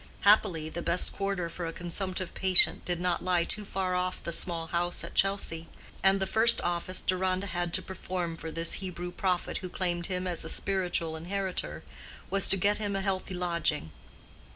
Happily the best quarter for a consumptive patient did not lie too far off the small house at Chelsea, and the first office Deronda had to perform for this Hebrew prophet who claimed him as a spiritual inheritor, was to get him a healthy lodging.